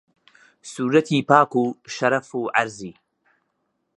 سوورەتی پاک و شەرەف و عەرزی